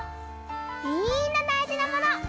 みんなだいじなもの！